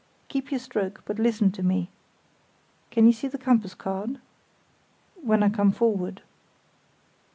"Keep your stroke, but listen to me. Can you see the compass card?" "When I come forward."